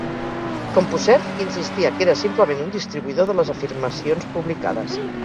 CompuServe insistia que era simplement un distribuïdor de les afirmacions publicades.